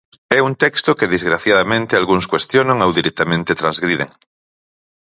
É un texto que desgraciadamente algúns cuestionan ou directamente transgriden.